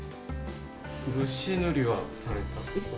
漆塗りはされたことは？